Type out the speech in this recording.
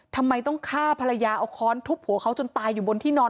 ทำไมต้องฆ่าภรรยาเอาค้อนทุบหัวเขาจนตายอยู่บนที่นอน